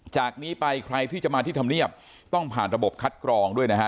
จากนี้ไปใครที่จะมาที่ธรรมเนียบต้องผ่านระบบคัดกรองด้วยนะฮะ